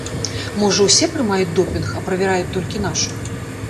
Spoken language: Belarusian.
Можа, усе прымаюць допінг, а правяраюць толькі нашых?